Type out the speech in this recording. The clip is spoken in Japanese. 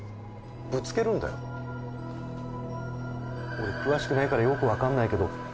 「俺詳しくないからよく分かんないけど」